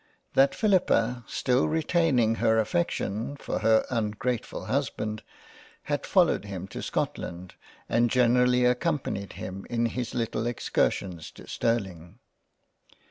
That Philippa still retain ing her affection for her ungratefull Husband, had followed him to Scotland and generally accompanied him in his little Excursions to Sterling.